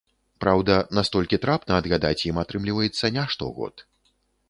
Праўда, настолькі трапна адгадаць ім атрымліваецца не штогод.